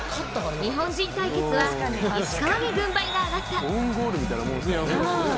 日本人対決は、石川に軍配が上がった。